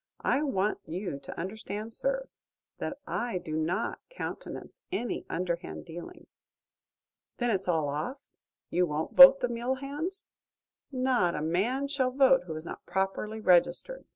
I want you to understand, sir, that I do not countenance any underhand dealing." "Then it's all off? You won't vote the mill hands?" "Not a man shall vote who is not properly registered."